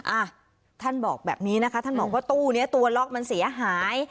อ่ะท่านบอกแบบนี้นะคะท่านบอกว่าตู้นี้ตัวล็อกมันเสียหาย